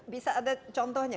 bisa ada contohnya